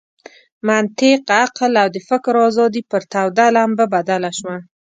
منطق، عقل او د فکر آزادي پر توده لمبه بدله شوه.